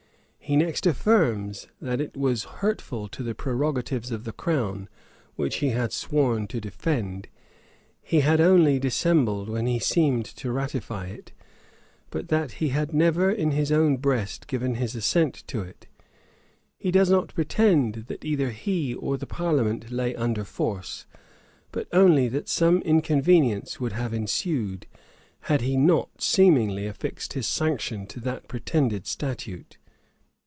He next affirms, that as it was hurtful to the prerogatives of the crown, which he had sworn to defend, he had only dissembled when he seemed to ratify it, but that he had never in his own breast given his assent to it. He does not pretend that either he or the parliament lay under force; but only that some inconvenience would have ensued, had he not seemingly affixed his sanction to that pretended statute.